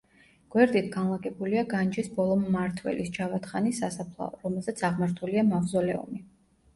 გვერდით განლაგებულია განჯის ბოლო მმართველის ჯავად ხანის სასაფლაო, რომელზეც აღმართულია მავზოლეუმი.